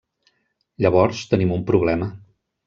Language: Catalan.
Llavors tenim un problema.